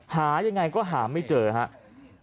หายังไงก็หาไม่เจอครับ